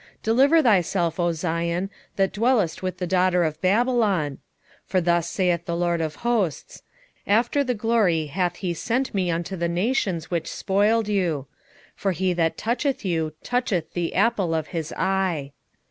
2:7 Deliver thyself, O Zion, that dwellest with the daughter of Babylon. 2:8 For thus saith the LORD of hosts; After the glory hath he sent me unto the nations which spoiled you: for he that toucheth you toucheth the apple of his eye.